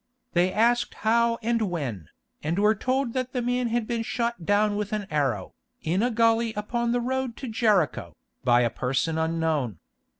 They asked how and when, and were told that the man had been shot down with an arrow, in a gully upon the road to Jericho, by a person unknown.